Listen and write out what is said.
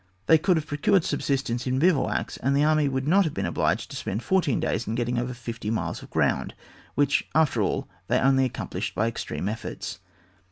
They could have procured subsistence in bivouacs, and the army would not have been obliged to spend fourteen days in getting over fifty miles of ground, which, after all, they only accomplished by extreme efforts.